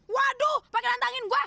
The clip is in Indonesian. waduh pakai rantangin gue